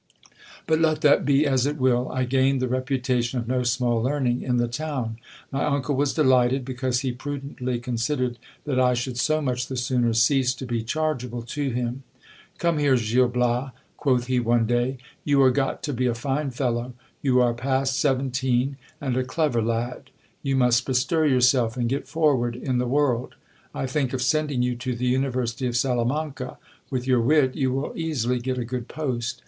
But let that be as it will, I gained the reputation of no small learning in the town. My uncle was delighted, because he prudently considered that I should so much the sooner cease to be chargeable to him. Come here, Gil Bias, quoth he one day, you are got to be a fine fellow. You are past seventeen, and a clever lad ; you must bestir yourself, and get forward in the world. I think of sending you to the university of Salamanca : with your wit you will easily get a good post.